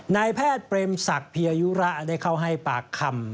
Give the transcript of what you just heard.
นายแพทย์เปรมศักดิ์เพียยุระได้เข้าให้ปากคำ